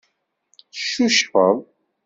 Teccucfeḍ.